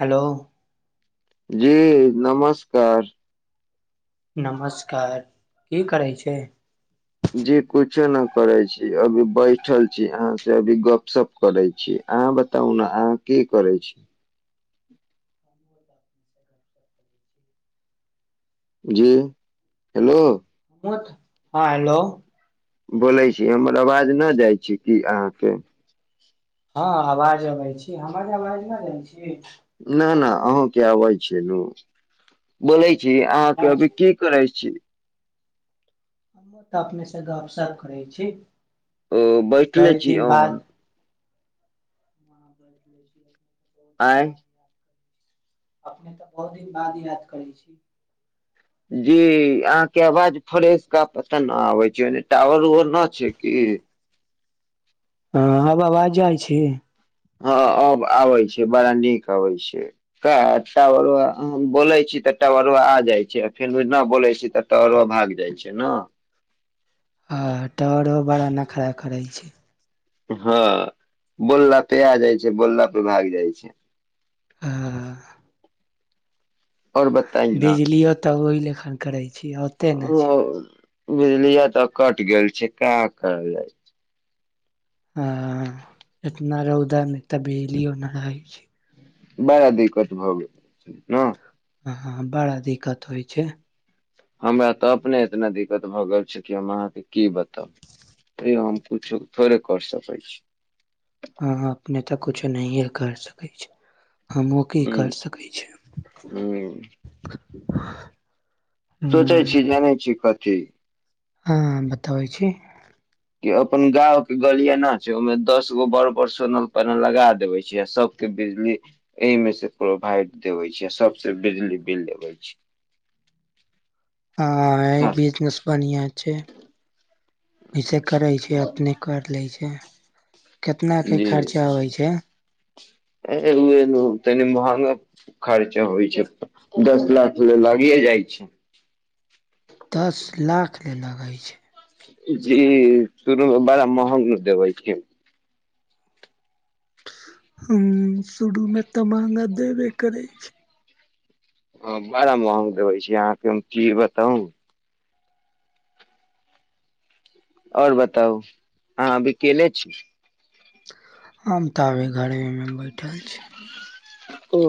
hello जी नमस्कार नमस्कार की करै छी जी कुछो न करै छी अभी बैठल छी अहाँ से अभी गपशप करे छी अहाँ बताउ न अहाँ की करै छी जी हेलौ हमहुँ हँ हेलौ बोलै छी हमर आवाज नहि जाइ छै की अहाँके हँ आवाज अबै छी हमर आवाज न जाइ छी न न आहो के आबै छै बोलै जी अहाँके जाइ अभी छै की करै छी तऽ अपनेसँ गपशप करै छी ओ बैठले बड़ी छी दिन बाद आहों आँय अपने तऽ बहुत दिन बाद याद करै छी जी अहाँके अवाज फरेश का पता न आबै छैय ओने टावर उबर न छैय की ह [inaudible] हँ आब अबाज जाय छी हँ अब आबै छै बड़ा नीक आबै छै बोलै छी तऽ टावरबा आ जाइ छै फेर न बोलै छी तऽ टाबरा भाग जाइ छै न हां टाबरबो बड़ा नखरा करै छै हँ बोलला पे आ जाइ छै बोलला पे भाग जाइ छै हँ आओर बताइ ना तब ओहि लेखा करै छी ओते नहि छी बिजलिया तऽ कट गेल छै का करल जाए हँ इतना रौदामे तऽ बिजलियो न रहै छै बड़ा दिक्कत भऽ गेल हँ बड़ा दिक्कत होइ छैय हमरा तऽ अपने इतना दिक्कत भऽ गेल छै कि हम अहाँके की बताउ आम पुछि थोड़े कर सकैत छी हँ अपने तऽ कुछो नहिए कर सकैत छी हमहुँ की हूँ कर सकैत छी हूँ सोचै छी जानै छी कथी हँ बताबै छी के अपन गांव के गलिया ना छै ओहिमे दस गो बड़ बड़ सोनल पैनल लगा देबै छियै आ सबके बिजली एहिमे से प्रोवाइड देबै छियै आ सबसे बिजली बिल लेबै छियै [inaudible] आंय बिजनेस बनियां छै वइसे करै छै अपने कर लै छै केतना के खर्चा होइ छै एल तनी महंगा खर्चा होइ छै दस लाख ले लागिये जाइ छै दस लाख ले लागै छै जी शुरूमे बड़ा महंग न देबै छै हँ शुरूमे तऽ महंगा देबे करै छै हँ बड़ा महंग देबै छी अहाँके हम कि बताउ आओर बताउ अहाँ अभी अकेले छी हम तऽ अभी घरवेमे बैठल छी ओ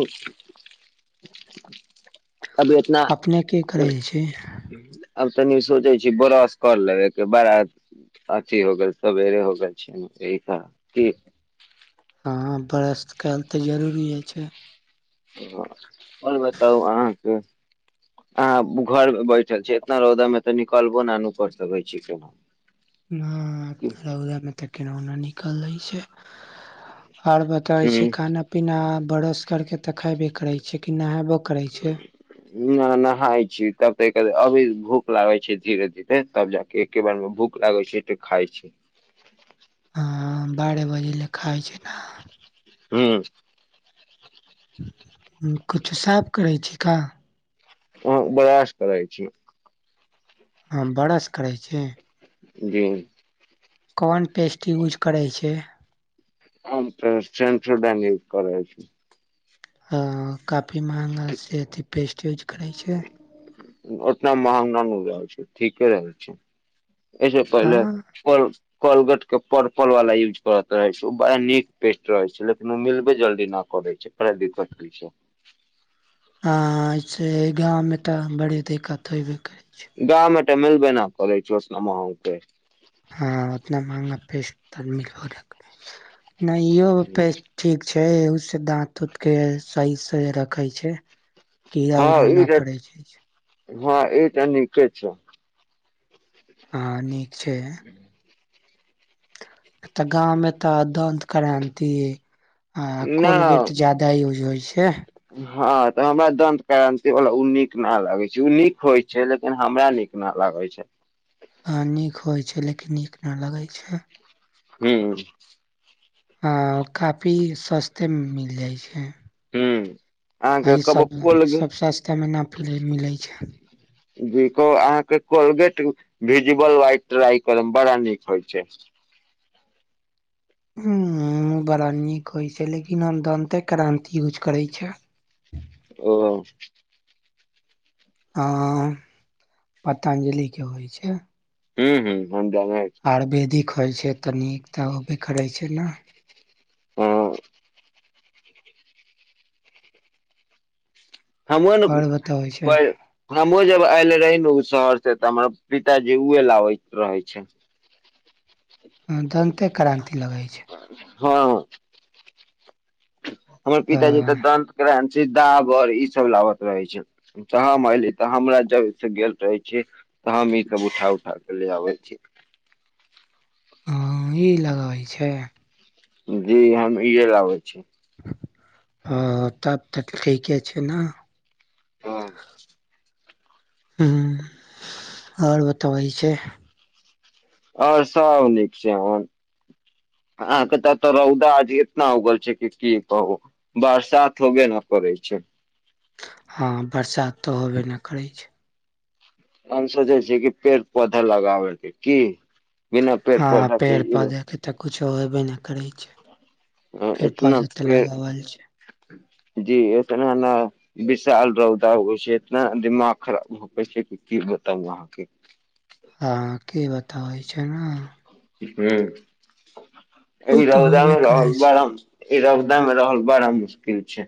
अभी एतना अपने की करै छी आब तनि सोचै छी ब्रश कर लेबे के बड़ा अथी हो गेल सवेर हो गेल छै न कि हँ ब्रश कयल तऽ जरूरीये छै हँ आओर बताउ अहाँके आब घरमे बैठल छी इतना रौदामे तऽ निकलबो न नु कर सकै छी केनो हँ रौदामे तऽ केयो न निकलै छै आओर बताबै ह छियै खाना पीना ब्रश करके तऽ खैबे करै छीयै कि नहेबो करै छियै न नहाय छी तब तऽ अभी भूख लागे छै धीरे धीरे तब जाके एके बारमे भूख भूख लागै छै तऽ खाय छै हँ बारह बजे ले खाइ छै ना हूँ कुछु साफ करै छी का हँ ब्रश करै छी हँ ब्रश करै छी जी कोन पेस्ट यूज करै छै हम तऽ सेंसोडाइन यूज करै छी हँ काफी महंगा से अथी पेस्टेज ओतना महंगा न रहै छै ठीके रहै छै एहिसँ हँ पहिले कोल कोलगेट के पर्पल वाला यूज करत रहै छियै ओ बड़ा नीक पेस्ट रहै छै लेकिन उ मिलबे जल्दी न करै छै बड़ा दिक्कत होय छै हं से गाँव में तऽ बड़ी दिक्कत होयबे करै छै मिलबेना करै छै ओ समहौ के हं उतना महंगा पेस्ट त मिलवो नै करय छै नै इहो पेस्ट ठीक छै ए उ से दाँत उूतके सही से रखै छै कीड़ा हँ ई उड़ाना तऽ पड़ैत छै हँ ई त नीके छै हँ नीक छै तऽ गाँम में तऽ दन्तक्रांति हँ कोलगेट ज्यादा यूज होइ छै हं त हमरा दंत क्रान्ति वाला उ निक न लागे छै उ निक होय छै लेकिन हमरा निक न लागे होइ छै हँ नीक होइत छै लेकिन नीक नहि लगैत छै हूं ह काफी सस्ते में मिल जाइ छै हूँ अ अहाँके इ कहबो सब कोलगे सब सस्ता मे न मिलै छै जी कह अहाँ के कोलगेट भीजिबल वाइट टराय करय बड़ा नीक होइ छै हूं बड़ा निक होय छै लेकिन हम दंते क्रांति यूज करै छै ओ हँ पतंजलि के होइ छै हूं हूं आयुर्वेदिक होइ छै तनिक तऽ होबे करै छै न हँ हमहु और बतावे छै ने हमहुँ जब आयल रही ओ शहर से तऽ हमरा पिताजी उए लाबैत रहै छै ह दन्ते क्रान्ति लगै छै हँ हमर आ पिताजी तऽ दंत क्रांति से डाबर ई सब लाबत रहे छै त हम एऐली तऽ हमरा जब से गेल रहे छी तऽ हम ई सब उठा उठा क ले आबै छी हँ ई लगबै छै जी हम ईहे लाबै छै ओ तब त त ठीक छै न हँ हूं और बतबै छे और सब नीक छै हमर हां त तऽ रौदा आज एतना उगल छै कि की कहू बरसात हो गेल ह करै छै हां बरसात तऽ होबे न करै छै हम सोचै छियै कि पेड़ पौधा लगाबैके की बिना पेड़ पौध के इ किछो अयबे न करै छै अ एतना पेड़-पौधा ते पेड़ लगावल छै जी इतना न विशाल रौदा होइ छै इतना दिमाग खराब होइ छै कि ब ताउ आहाँके हँ की बताबै छै न हूं उ अभी ते होबे रौदामे करे रहल छै बराम ई रौदा मे रहल बड़ा मुश्किल छै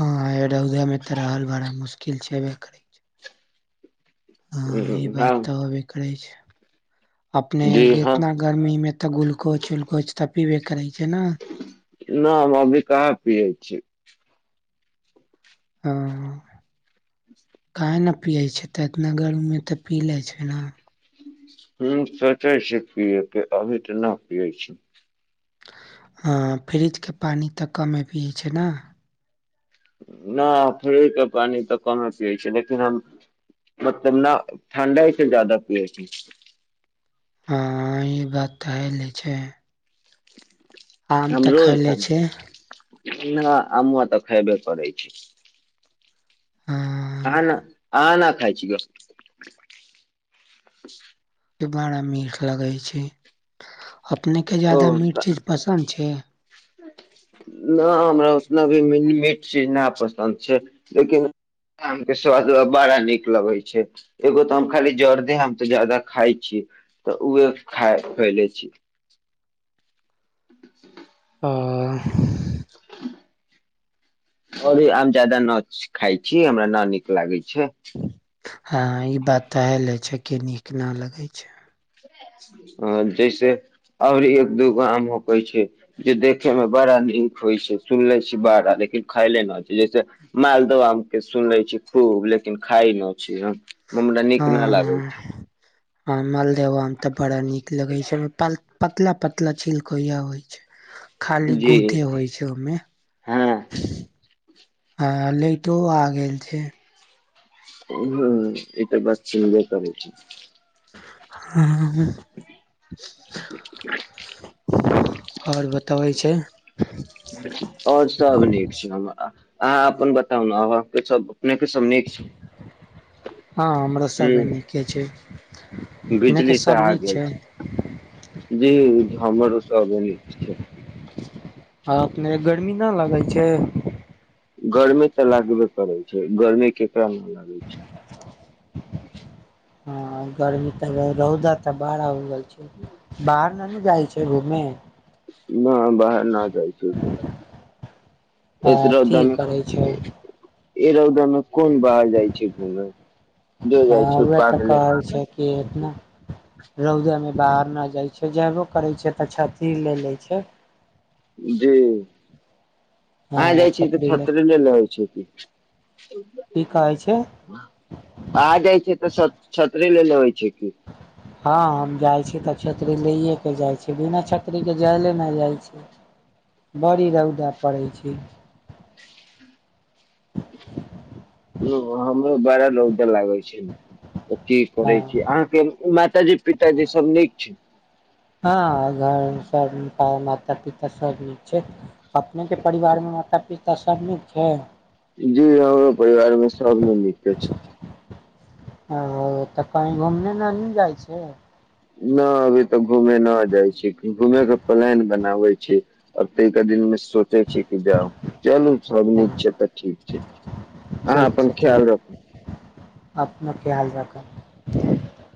हँ रौदेमे तऽ रहल बाड़ा मुश्किल छेबे करै छै हँ ई बात तऽ होते करै छै अपने जी हँ इतना गर्मी मे तऽ ग्लुकोज उलकोज तऽ पीबे करै छै न न हम अभी कहाँ पियै छी ह काहे न पियै छै तऽ इतना गरमी मे तऽ पी लै छै ना हूं सोचय छी पिये के अभी तऽ ना पियै छी हँ फ्रिजके पानी तऽ कमे पियै छै ना न फ्रीज के पानि तऽ कमे पियै छै लेकिन हम मतलब न ठण्डअइ से जादा पियए छै हँ ई बात त हयले छै आम तऽ खयले छै ना अमूआ तऽ खैबे करै छी हँ आहां ना आहां ना खाय छी बड़ा मीठ लगै छै अपनेके ओ जादा मीठ चीज पसन्द छै नहि हमरा उतना भी मीठ चीज ना पसन्द छै लेकिन आम के स्वाद बड़ा नीक लगै छै एगो तऽ हम खाली जर्दे आम तऽ ज्यादा खाय छी तऽ उहे खा खैले छी [inaudible] आह [inaudible] अरे आम ज्यादा न खाइ छी हमरा न नीक लागै छै के नीक न लगै छै अ जैसे ओर एक दूगो आम होक छै जे देखे में बड़ा नीक होइ छै सुनले छी बरा लेकिन खायले न छै जैसे मालदह आम के सुन ले छी खूब लेकिन खाइ न छी हम हमरा नीक न लागै छै आ मालदेव आम त बड़ा नीक लगे छै पतला पतला छिलकोइया होय छै खाल ली जी गूदे होइ छै ओयमे हँ आ लाइटो आ गेल छै ह ई त बात छै हेबे करै छै हँ [inaudible] आओर बतबै छै आओर सब नीक छै हम अहाँ अपन बताउ ने अहाके सब अपनेके सब निक छै हँ हमरो ह सब नीके छै अपने के बिजली तऽ सब आ नीक गेल छै जी हमरो सब निक छै आ अपने गर्मी ना लागै छै गर्मी तऽ लागबे पड़ैत छै गर्मी के लागै छै ह गर्मी तऽ रौदा तऽ बाड़ा ऊगेल छै बाहर ना नु जाय छै घूमे न बाहर न जाइ छै आ इस रउदा ठीक मे करै छै तयमे कोन बाहर जाइ छै घूमे जो हँ जाइ छै वेह तऽ पागले कहल छै कि ऐतना रौदेमे बाहर नहि जाइ छै जेयबो करै छै तऽ क्षतरी लए लैत छै जी हँ अहाँ जाइ छी तऽ छतरी ले छतेरी ल ल ओइ छै की की कहै छै आ जाइ छै तऽ छतरि ल लेबै छै की हँ हम जाइ तऽ छतरी लैएके जाइ छै बिना छतरीके जाइले नहि जाइ छै बड़ी रौदा पड़ै छै ह हमरो बरा रौदा लागै छै तऽ की करै छी हँ अहाँके माताजी पिताजी सभ नीक छै हँ घर सब माता पिता सब निक छै अपने के परिवार मे माता पिता सब नीक छै जी हमरो परिवार मे सबमे नीके छै ओ तऽ कही घुमने ननि जाइ छै न अभी तऽ घूमे न जाइ छी घूमे के प्लान बनाबे छी अब तऽ दिन सोचै छियै कि जाउ चलू सब नीक हँ, छै तऽ ठीक छै अहाँ अपन ख्याल राखू अपना ख्याल राखब